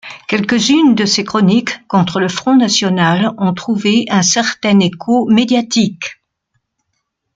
Quelques-unes de ses chroniques contre le Front national ont trouvé un certain écho médiatique.